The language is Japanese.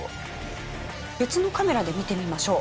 別のカメラで見てみましょう。